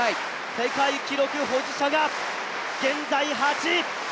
世界記録保持者が現在８位。